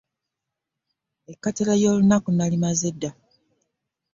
Ekkatala ly'olunaku nalimaze dda.